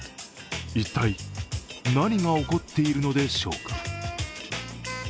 一体、何が起こっているのでしょうか。